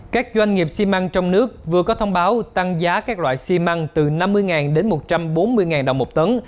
các doanh nghiệp xi măng trong nước vừa có thông báo tăng giá các loại xi măng từ năm mươi đến một trăm bốn mươi đồng một tấn